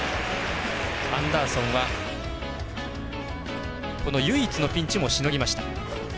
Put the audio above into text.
アンダーソンはこの唯一のピンチもしのぎました。